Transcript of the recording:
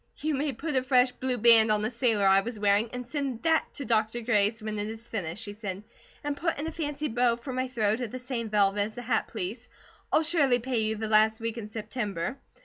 "You may put a fresh blue band on the sailor I was wearing, and send that to Dr. Gray's when it is finished," she said. "And put in a fancy bow, for my throat, of the same velvet as the hat, please. I'll surely pay you the last week of September.